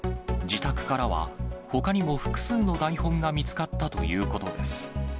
自宅からはほかにも複数の台本が見つかったということです。